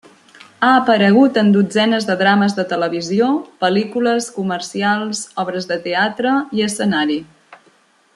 Ha aparegut en dotzenes de drames de televisió, pel·lícules, comercials, obres de teatre i escenari.